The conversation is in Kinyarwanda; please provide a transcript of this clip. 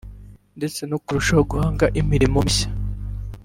ndetse no kurushaho guhanga imirimo mishya